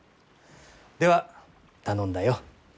では頼んだよ。